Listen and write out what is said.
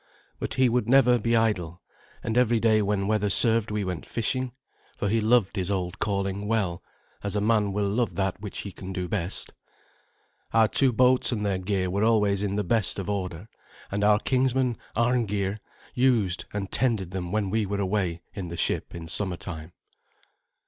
But he would never be idle, and every day when weather served we went fishing, for he loved his old calling well, as a man will love that which he can do best. Our two boats and their gear were always in the best of order, and our kinsman, Arngeir, used and tended them when we were away in the ship in summertime.